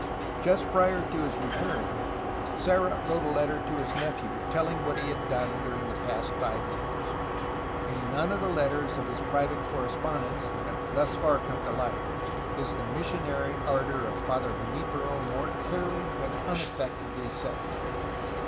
Just prior to his return, Serra wrote a letter to his nephew, telling what he had done during the past five years. In none of the letters of his private correspondence that have thus far come to light is the missionary ardor of Father Junlpero more clearly and unaffectedly set forth.